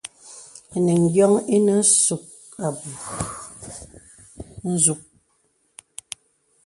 Eniŋ yōŋ inə zūk abū.